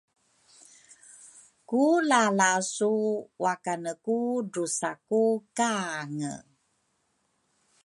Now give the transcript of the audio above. ku lalasu wakane ku drusa ku kange.